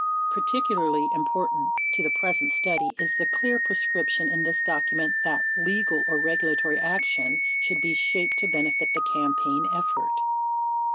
Particularly important to the present study is the clear prescrip tion in this document that "legal or regulatory action" should be shaped to benefit the campaign effort.